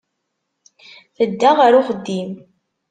Tedda ɣer uxeddim.